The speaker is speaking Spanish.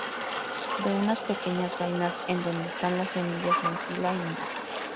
Da unas pequeñas vainas en donde están las semillas en fila india.